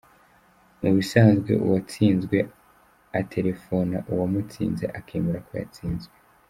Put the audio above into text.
Mu bisanzwe uwatsinzwe aterefona uwamutsinze akemera ko yatsinzwe.